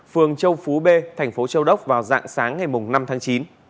phường châu phú b thành phố châu đốc vào dạng sáng ngày năm tháng chín